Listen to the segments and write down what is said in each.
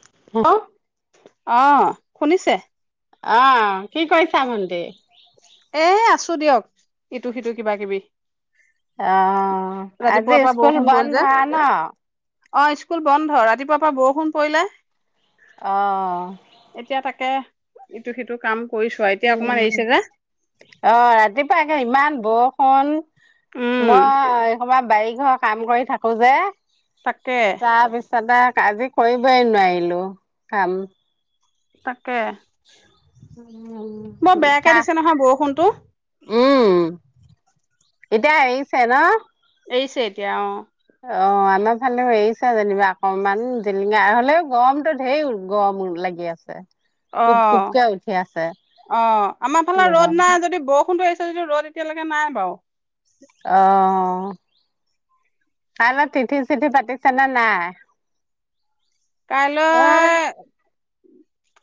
[unintelligible] অ' শুনিছে? অহ, কি কৰিছা ভন্টী? আছোঁ দিয়ক, ইটো-সিটো, কিবা-কিবি অ', আজি স্কুল বৰষুণ পৰিল বন্ধ যে ন? অ স্কুল বন্ধ ৰাতিপুৱাৰ পৰা বৰষুণ পৰিলে। অহ এতিয়া তাকে ইটো সিটো কাম কৰিছোৱা, এতিয়া অকমান উম। এৰিছে যে। অ', ৰাতিপুৱা একে ইমান বৰষুণ। উম মই এই সময়ত বাৰিঘৰৰ কাম কৰি থাকো যে। তাকে চা বিছ দাদাক আজি কৰিবই নোৱাৰিলো। কাম তাকে, বৰ উম। বেয়াকে কাহ দিছে নহয় বৰষুণটো। উম, এতিয়া এৰিছে ন? এৰিছে এতিয়া, অ'। অ', আমাৰ ফালেও এৰিছে যেনিবা অকমান জিলিঙা, হ'লেও গৰমটো ধেৰ গৰম লাগি আছে। অ কুপ কুপকে উঠি আছে অ আমাৰ ফালে ৰ'দ গৰম। নাই যদি বৰষুণটো এৰিছে। ৰ'দ এতিয়ালৈকে নাই বাৰু। অ কাইলৈ তিথি ছিঠি পাতিছে নে নাই কাইলৈ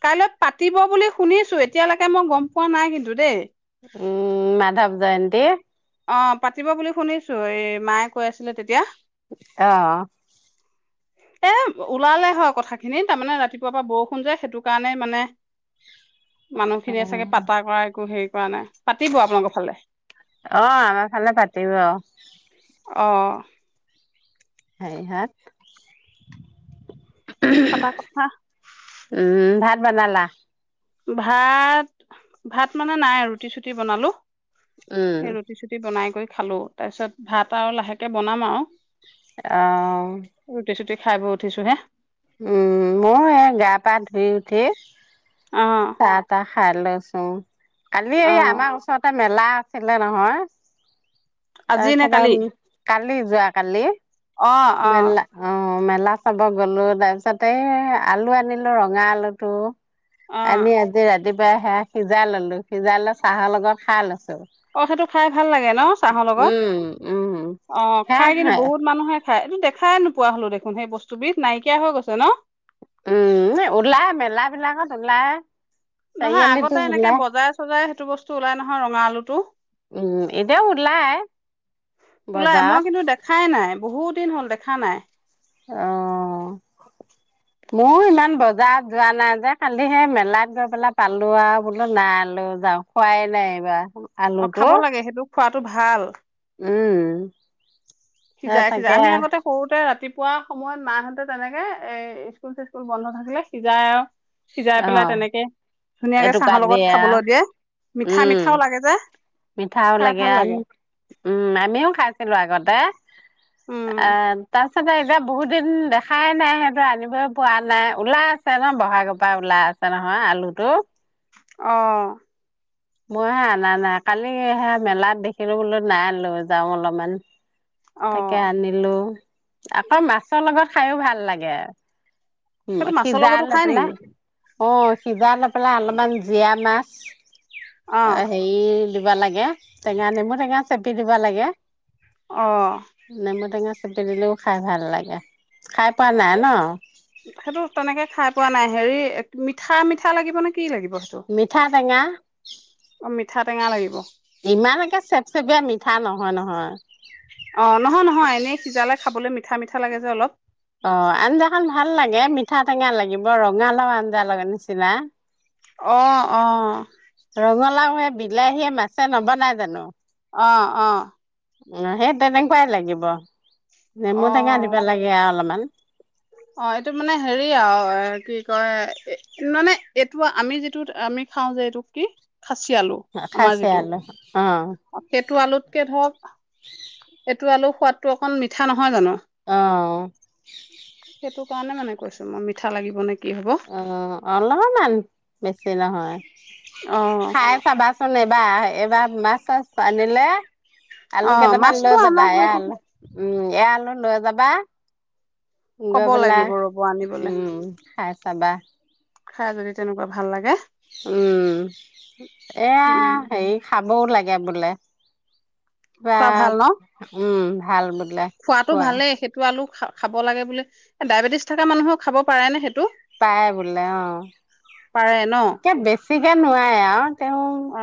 কাইলৈ পাতিব বুলি শুনিছোঁ, এতিয়ালৈকে মই গম পোৱা নাই কিন্তু দেই। উম, মাধৱ জয়ন্তী অ পাতিব বুলি শুনিছো এ মায়েক কৈ আছিলে তেতিয়া। অ', এ, ওলালে হয় কথাখিনি, তাৰমানে ৰাতিপুৱাৰ পৰা বৰষুণ যে সেইটো কাৰণেই মানে মানুহখিনিয়ে চাগে পাতা কৰা একো হেৰি কৰা নাই। পাতিব আপোনালোকৰ ফালে অ', আমাৰ ফালে পাতিব। অ'। হেই হত পাতা কথা উম, ভাত বনালা। ভাত ভাত মানে নাই আৰু ৰুটি চুটি বনালো উম, সেই ৰুটি চুটি বনাই গৈ খালো, তাৰপিছত ভাত আৰু লাহেকে বনাম আৰু। ৰুটি চুটি অ খাই বৈ উঠিছো হে। উম মোৰ এয়া গা পা ধুই উঠি অহ খায় লৈছো। কালি এই আমাৰ ওচৰতে মেলা আছিলে নহয়! আজি নে তাৰপিছত কালি আৰু কালি যোৱা কালি মেলা অ মেলা চাব গলো তাৰ পিছতে এই আলু আনিলো ৰঙা আলুটো। অ', আনি আজি ৰাতিপুৱাই সেয়া সিজাই ললো, সিজাই লয় চাহৰ লগত খাই লৈছো অ সেইটো খায় ভাল লাগে ন চাহৰ লগত! উম উম অ সেয়া খায় কিন্তু খাই বহুত মানুহে খায় এইটো খাইয়ে নোপোৱা হলো দেখোন সেই বস্তুবিধ নাইকিয়া হৈ গৈছে ন উম ওলাই মেলা বিলাকত ওলাই নহয় চাৰিআলিতো আগতে এনেকে ওলাই বজাৰে চজাৰে সেইটো বস্তু ওলাই নহয় ৰঙা আলুটো। উম এতিয়াও ওলাই ওলাই বজাৰত মই কিন্তু দেখাই নাই বহুত বহুত দিন হল দেখা নাই অহ মোৰ ইমান বজাৰত যোৱা নাযায় খালি সেই মেলাত গৈ পেলাই পালো আৰু বোলো নাই লৈ যাও খোৱাই নাই এইবাৰ। অ আলুটো খাব লাগে সেইটোক খোৱাটো ভাল উম সেই সিজাই সিজাই তাকে আমি আগতে সৰুতে ৰাতিপু পোৱা সময়ত মাহঁতে তেনেকে এ ইচকুল চিচকুল বন্ধ থাকিলে সিজাই আৰু সিজাই অ পেলাই তেনেকে ধুনীয়াকে এটুকুৰা চাহৰ লগত দিয়ে আৰু খাবলৈ দিয়ে মিঠা উম মিঠাও লাগে যে মিঠাও খাই লাগে ভাল আ উম-উম আমিও খাইছিলো আৰু আগতে উম আহ তাৰপা তাতে এতিয়া বহুত দিন দেখাই নাই সেইটো আনিবই পোৱা নাই ওলাই আছে ন বহাগৰ পৰা ওলাই আছে নহয় আলুটো অহ মই হে আনা নাই কালি সেই মেলাত দেখিলো বোলো নাই লৈ যাওঁ অলপমান অ তাকে আনিলো। আকৌ মাছৰ লগত খাইও ভাল লাগে। উ সেইটো মাছৰ সিজাই লগতো লয় খাই পেলাই নেকি অ সিজাইলৈ পেলাই অলপমান জিয়া মাছ অ হেৰি দিব লাগে টেঙা নেমু টেঙা চেপি দিব লাগে, অ নেমু টেঙা চেপি দিলেও খাই ভাল লাগে, খাই পোৱা নাই ন? সেইটো তেনেকে খাই পোৱা নাই। হেৰি মিঠা মিঠা লাগিব নেকি? মিঠা টেঙা অ মিঠা টেঙা লাগিব। ইমান একে চেপচেপিয়া মিঠা নহয় নহয় অ থা লাগে যে অলপ অ আঞ্জাখন ভাল লাগে, মিঠা টেঙা লাগিব ৰঙালাও আঞ্জা লগা নিচিনা। অ অ ৰঙালাওৱে বিলাহীয়ে মাছে নবনাই জানো? অ অ অ সেই তেনেকুৱাই লাগিব। অ নেমু টেঙা দিব লাগে আৰু অলপমান। অ এইটো মানে হেৰি আৰু কি কয়, মানে এইটো আমি যিটো আমি খাওঁ যে এইটো কি? খাচি খচিয়া আলু অ সেইতু আলুতকে ধৰক এইটো আলু সোৱাদটো অকণ মিঠা নহয় জানো? অ' সেইটো কাৰণে মানে কৈছো মই মিঠা লাগিব নেকি অ অলপমান, বেছি নহয়। অ খাই চাবাচোন বাহ, এবাৰ মাছ চাছ আনিলে অ আলু কেইটামান মাছটো লৈ অনা যাবা, হৈ এয়া থাকে আলু উম এয়া আলু লৈ যাবা ক'ব গৈপেলাই লাগিব ৰ'ব আনিবলে উম খাই চাবা খাই যদি তেনেকুৱা ভাল লাগে উম এয়া উম হেৰি খাব বৌ লাগে বোলে কিবা খোৱা ভাল ন উম, ভাল বোলে খোৱাটো খোৱা। ভালেই সেইটো আলু খা খাব লাগে বুলি এ ডায়েবেটিছ থকা মানুহক খাব পাৰেনে সেইটো? পায় বোলে অ পাৰে ন একে বেছিকে নোৱাৰে অ তেওঁ অ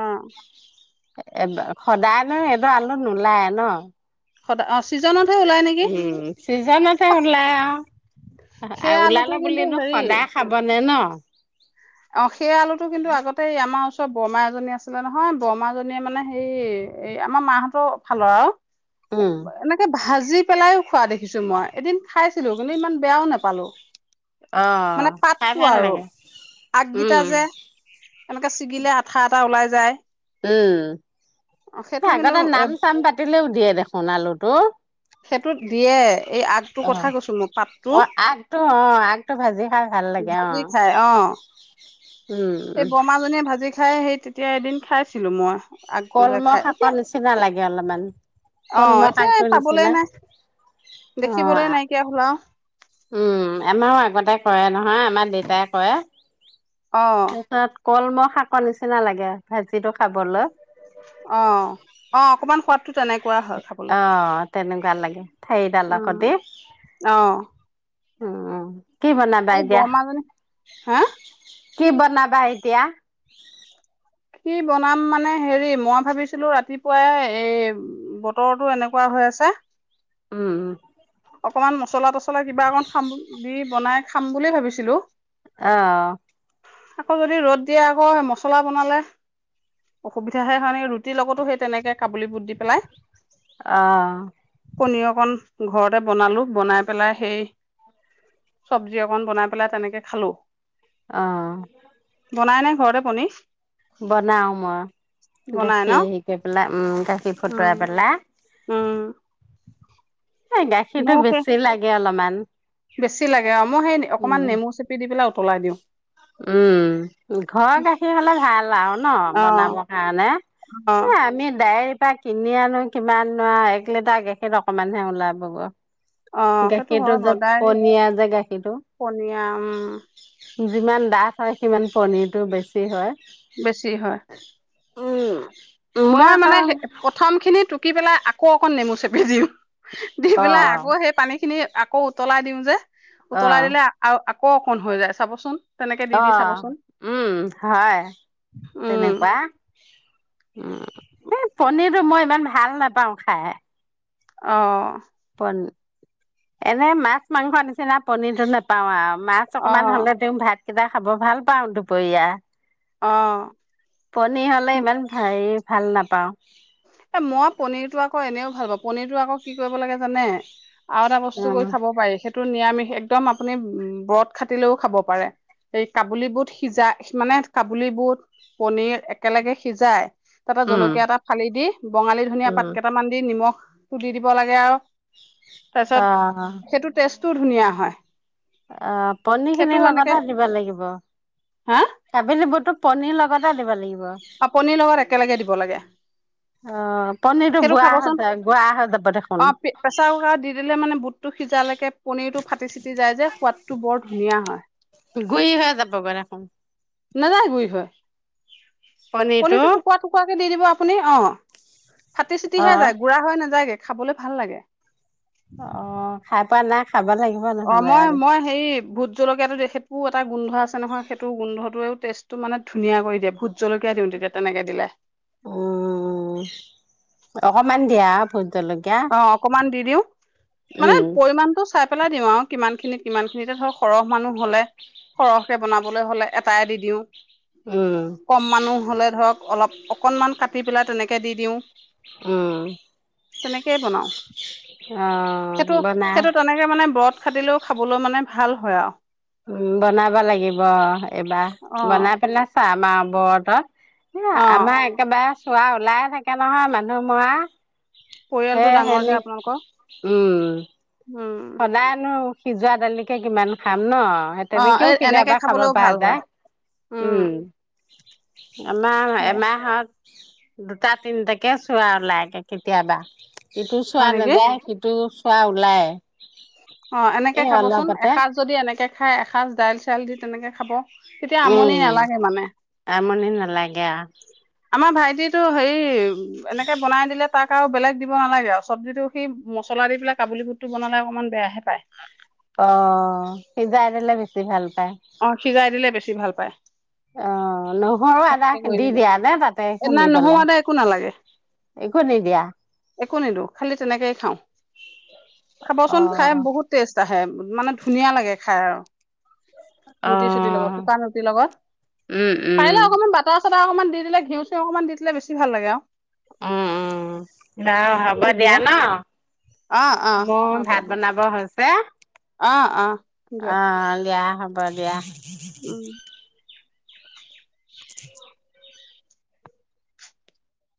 সদায় ন এবোৰ আলু নোলায় ন সদ অ চিজনত উম, চিজনতহে ওলাই আও সেই আৰু আলুটো ওলালে কিন্তু বোলিয়েনো হেৰি সদায় খাব নে ন? [unintelligible] অ সেই আলুটো কিন্তু আগতে আমাৰ ওচ বৰমা এজনী আছিলে নহয় বৰমা জনিয়ে মানে হে এই আমাৰ মাহতৰ ফালৰ আৰু উম এনেকে ভাজি পেলায়ো খোৱা দেখিছো মই এদিন খাইছিলো কিন্তু ইমান বেয়াও নাপালো অ খাই ভাল লাগে আগকিতা উম যে এনেকে ছিগিলে আঠা এটা ওলাই যায় উম, অ সেইটো কিন্তু আগতে এ নাম চাম পাতিলেও দিয়ে দেখোন আলুটো সেইটোত দিয়ে এই আগটোৰ অ কথা কৈছো মই পাতটো অ আগটো অ আগটো ভাজি খাই ভাল লাগে অ ভাজি খাই অ উম সেই উম বৰমাজনীয়ে ভাজি খাই সেই তেতিয়া এদিন খাইছিলো মই আগটো যে কলমৌ খাই এতিয়া শাকৰ নিচিনা লাগে অলপমান কলমৌ শাকটো নিচিনা অ দেখিবলৈ নাইকিয়া হ অ উম, আমাৰো আগতে কৰে নহয় আমাৰ দেউতাই কৰে অ তাৰপিছত কলমৌ শাকৰ নিচিনা লাগে ভাজিটো খাবলৈ অ অ অকমান সোৱাদটো তেনেকুৱা হয় খাবলৈ অ তেনেকুৱা লাগে সেইডালৰ উম সতি অ অ এই বৰমাজনী হা কি বনাবা এতিয়া? কি বনাম মানে হেৰি মই ভাবিছিলো ৰাতিপুৱাই এই বতৰতো এনেকুৱা হৈ আছে উম-উম অকমান মছলা তচলা কিবা অকন খাম দি বনাই খাম বুলি ভাবিছিলো অ' আকৌ যদি ৰ'দ দিয়ে আকৌ মছলা বনালে অসুবিধা সেকাৰণে ৰুটিৰ লগতো সেই তেনেকে কাবুলী বুট দি পেলাই অ' পনীৰ অকণ ঘৰতে বনালো বনাই পেলাই সেই চব্জি অকন বনাই পেলাই তেনেকে খালো অ ' বনাই নে ঘৰতে পনীৰ? বনাও মই বনাই ন গাখীৰ শিক পেলাই উম উ [inaudible] উম এই গাখীৰতটো মোৰ বেছি লাগে অলপমান [unintelligible] বেছি লা দিয়া। ম হেই অকমান উম নেমু চেপি দি পেলাই উতলাই দিওঁ উম ঘৰৰ গাখীৰ হলে ভাল আৰু ন অ বনাবৰ কাৰণে অ হ আমি দায় এইপা কিনি আনো কিমান নো আৰু এক লিটাৰ গেখীৰ অকমানহে ওলাবগৈ অ সেইটো গাখীৰটো হয় যে বদাই পনীয়া যে গাখীৰটো পনীয়া উম যিমান ডাঠ হয় সিমান পনিৰতটো বেছি হয় বেছি হয়। উম মই মানে আকৌ প্ৰথম খিনিত পুি পেলাই আৌ অকণ নমু চে [unintelligible] দি অ পেলাই আকৌ সেই পানী খিনি আকৌ উতলাই দিওঁ যে অ উতলাই দিলে আ অকণ হৈ যায় চাবচোন তেনেকে দি অ দি চাবচোন উম হয় উম তেনেকুৱা উম মই পনীৰটো মই ইমান ভাল নাপাওঁ খাই অ পন এনে মাছ মাংস নিচিনা পনিৰটো নাপাওঁ আৰু মাছ অ অকমান হলে তেওঁ ভাত কেইটা খাব ভাল পাওঁ দুপৰীয়া অ পনী হলে ইমান হেৰি ভাল নাপাওঁ এ মই পনীৰ টো আ আকৌ এনেও ভাল পা পনিৰতো আকৌ কি কৰিব লাগে জানে আৰু এটা বস্তু উম কৰি খাব পাৰি সেই টো নিৰামিষ একদম আপুনি ব্ৰত খাটিলেও খাব পাৰে এই কাবুলি বুট সিজাই মানে কাবুলি বুট পনিৰ একেলগে সিজাই তাতে উম জলকীয়া এটা ফালি দি বঙালী ধনিয়া পাত উম কেইটামান দি নিমখ তুলি দিব লাগে আৰু অ তাৰপিছত সেইটো টেষ্টত টো ধুনীয়া হয় অ পনীৰ সেইটো খিনিৰ এনেকে লগতে দিবা লাগিব। হা কাবুলীবুটো পনীৰ লগতে দিব লাগিব। অ পনিৰ লগত একেলগে দিব লাগে। অ', পনিৰটো সেইটো বুঢ়া হৈ খাবচোন। যায় গুৱা হৈ যাব দেখোন [unintelligible] প্ৰেচাৰ কুকাৰত দি দিলে মানে বুটটো সিজালৈকে পনীৰটো ফাটি চিটি যায় যে সোৱাদ টো বৰ ধুনীয়া হয়। গুড়ি হৈ যাবগে দেখোন। নাজায় গুড়ি হৈ। পনিৰটো কণীটো টুকুৰা টুকুৰা কে দি দিব আপুনি অ ফাটি চিটি অ হে যায় গুড়া হৈ নাযায়গে। খাবলৈ ভাল লাগে। অ', খাই পোৱা না অ', মই মই হেৰি ভোত জলকীয়াটো দেখি পু এটা গোন্ধ আছে নহয় সেইটো গোন্ধ টেষ্টটো মানে ধুনীয়া কৰি দিয়ে ভোটজলকীয়া দিওঁ তেতিয়া তেনেকে দিলে। উম অকমান দিয়া ভোট জলকীয়া অ', অকমান দি দিও। মানে উম পৰিমানটো চাই পেলাই দিওঁ আৰু কিমান খিনিত, কিমান খিনিতে ধৰক। সৰহ মানুহ হ'লে, সৰহকে বনাবলৈ হলে, এটাই দি দিওঁ। উম, কম মানুহ হলে ধৰক অলপ অকনমান কাটি পেলাই তেনেকে দি দিওঁ। উম তেনেকেই বনাও, অ', সেইটো বনা সেইটো তেনেকে মানে ব্ৰত খাদিলেও খাবলৈ মানে ভাল হয় আৰু। উ বনাব লাগিব এইবাৰ, অ বনাই পেলাই চা মা ব্ৰতত সিয়া অ আমাৰ একেবাৰে চোৱা ওলাইে থাকে নহয় মানুহ মৰা হে পৰিয়ালটো হে ডাঙৰ যে নে আপোনালোকৰ উম উম সদায়নো সিজোৱা দালিকে কিমান খাম ন অ সেইতেনেকেও এই এনেকে কেতিয়াবা খাব খাবলৈও পৰা ভাল হয় যায় উম উম এমাহ সেয়া এমাহত দুটা তিনটাকে চোৱা ওলাইগে কেতিয়াবা ইটো চোৱা হয় নেকি নাযায় সিটো চোৱা ওলাই অ এনেকে এই খাবচোন অলপতে এসাঁজ যদি এনেকে খাই এসাঁজ দাইল চাইল দি তেনেকে খাব তেতিয়া আমনি উম নালাগে মানে আমনি নালাগে আমাৰ ভাইটিটো হেৰি উ এনেকে বনাই দিলে তাক আৰু বেলেগ দিব নালাগে আৰু চব্জিটো সি মছলা দি পেলাই কাবুলী বুটটো বনালে অকণমান বেয়াহে পায় অ সিজাই দিলে বেছি ভাল পায় অ সিজাই দিলে বেছি ভাল পায়। অ নহৰু আদা দি দিয়া নে তাতে এ খুন্দি নাই নহৰু পেলাই আদা একো নালাগে, একো নিদিয়া একো নিদো খালি তেনেকেই খাও। অ খাবচোন। খাই বহুত টেষ্ট আছে। হে মানে ধুনীয়া লাগে খাও অ ৰুটি চুটিৰ লগত শুকান ৰুটিৰ লগত উম পাৰিলে উম অকনমান বাতাৰ বাতাস চা তাৰ অকমান দি দিলে ঘিউ চিউ অকণমান দি দিলে বেছি ভাল লাগে আৰু উম -উম বাৰু হব যদি দিয়ে দিয়া অ অ ন মোৰ হ'ব ভাত দিয়ক বনাবৰ হৈছ [unintelligible] অ অ দিয়ক অ দিয়া হব দিয়া [inaudible] উম [inaudible]